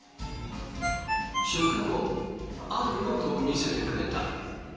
あるノートを見せてくれた。